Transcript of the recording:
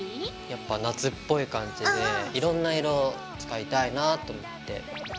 やっぱ夏っぽい感じでいろんな色使いたいなぁと思って。